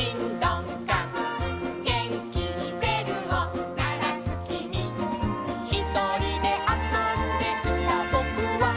「げんきにべるをならすきみ」「ひとりであそんでいたぼくは」